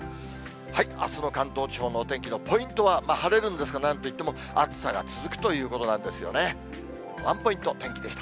あすの関東地方のお天気のポイントは晴れるんですが、なんといっても暑さが続くということなんですよね。